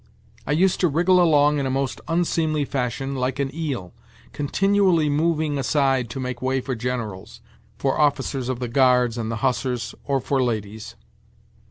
I used to wriggle along in a most unseemly fashion, like an eel, continually moving aside to make way for generals, for officers of the guards and the hussars, or for ladies.